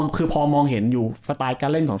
คือพอมองเห็นอยู่สไตล์การเล่นของ